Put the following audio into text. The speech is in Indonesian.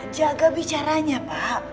jaga bicaranya pak